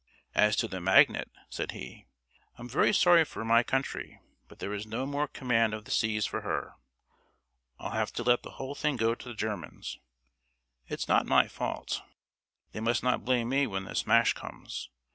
"As to the magnet," said he, "I'm very sorry for my country, but there is no more command of the seas for her. I'll have to let the thing go to the Germans. It's not my fault. They must not blame me when the smash comes.